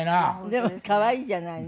でも可愛いじゃないの。